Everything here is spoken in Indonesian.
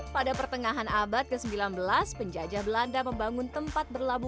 pada pertengahan abad ke sembilan belas penjajah belanda membangun tempat berlabuh